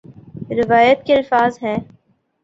روایت کے الفاظ ہیں